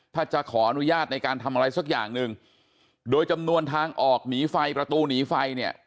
ถ้าจะขออนุญาตในการทำอะไรสักอย่างหนึ่งโดยจำนวนทางออกหนีไฟประตูหนีไฟเนี่ย